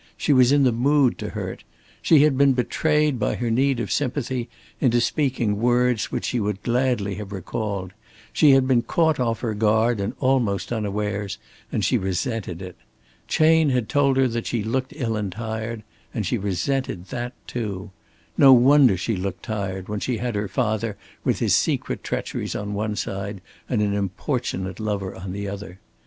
She was in the mood to hurt. She had been betrayed by her need of sympathy into speaking words which she would gladly have recalled; she had been caught off her guard and almost unawares; and she resented it. Chayne had told her that she looked ill and tired; and she resented that too. No wonder she looked tired when she had her father with his secret treacheries on one side and an importunate lover upon the other!